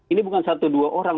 ini bukan satu dua orang